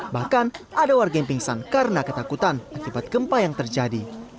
bahkan ada warga yang pingsan karena ketakutan akibat gempa yang terjadi